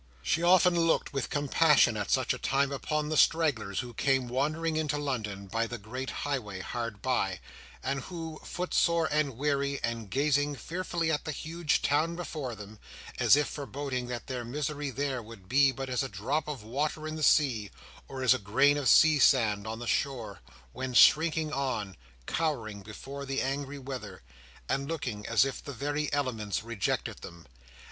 She often looked with compassion, at such a time, upon the stragglers who came wandering into London, by the great highway hard by, and who, footsore and weary, and gazing fearfully at the huge town before them, as if foreboding that their misery there would be but as a drop of water in the sea, or as a grain of sea sand on the shore, went shrinking on, cowering before the angry weather, and looking as if the very elements rejected them.